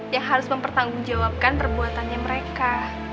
yang harus mempertanggung jawabkan perbuatannya mereka